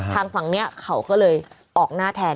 ทางฝั่งนี้เขาก็เลยออกหน้าแทน